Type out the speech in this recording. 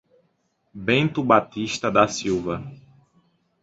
Bento Batista da Silva